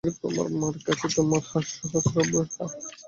তোমার মার কাছে তোমার হার–সহস্রবার হার।